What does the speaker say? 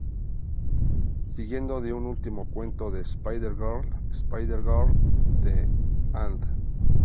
Seguido de un último cuento de "Spider Girl", "Spider-Girl: The End".